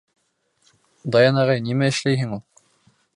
— Даян ағай, нимә эшләйһең ул?